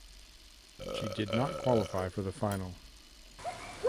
She did not qualify for the final.